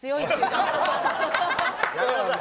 やめなさい！